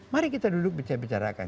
mari kita duduk bicarakan